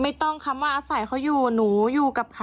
ไม่ต้องคำว่าอาศัยเขาอยู่หนูอยู่กับเขา